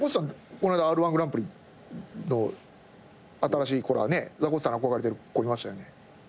この間Ｒ−１グランプリの新しい子らねザコシさんに憧れてる子いましたよね。